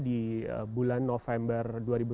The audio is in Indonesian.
di bulan november dua ribu sembilan belas